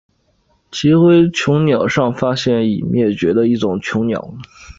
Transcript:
奇辉椋鸟上发现及已灭绝的一种椋鸟。